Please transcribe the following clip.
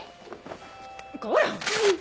こら！